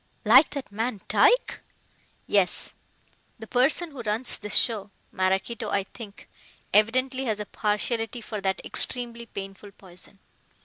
like that man Tyke?" "Yes. The person who runs this show Maraquito, I think evidently has a partiality for that extremely painful poison.